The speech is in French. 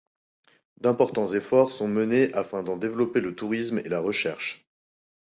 D'importants efforts sont menés afin d'en développer le tourisme et la recherche.